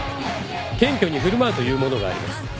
謙虚に振る舞うというものがあります。